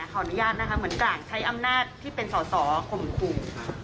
ขออนุญาตนะคะเหมือนกลางใช้อำนาจที่เป็นสอสอข่มขู่